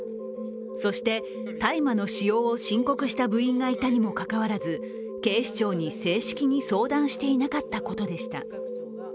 そして大麻の使用を申告した部員がいたにもかかわらず、警視庁に正式に相談していなかったことでした。